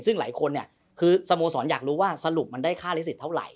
ซึ่งหลายคนเนี่ยคือสโมสรอยากรู้ว่าสรุปมันได้ค่าลิสิตเท่าไห